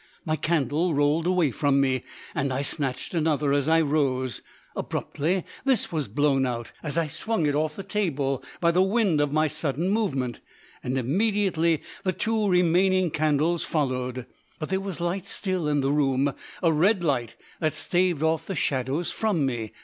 My candle rolled away from me, and I snatched another as I rose. Abruptly this was blown out, as I swung it off the table, by the wind of my sudden movement, and immediately the two remaining candles followed. But there was light still in the room, a red light that staved off the shadows from me.